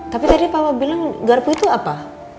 tapi tadi papa bilang garpu itu apa